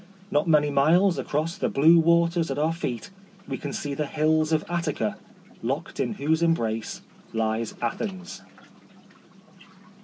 Not many miles across the blue waters at our feet we can see the hills of Attica, locked in whose embrace lies Athens.